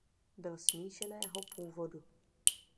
Byl smíšeného původu.